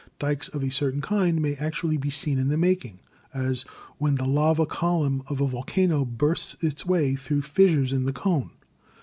Dykes of a certain kind may actually be seen in the making, as when the lava column of a volcano bursts its way through fissures in the cone.